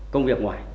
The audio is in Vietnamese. công việc ngoài